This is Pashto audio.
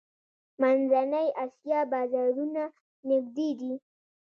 د منځنۍ اسیا بازارونه نږدې دي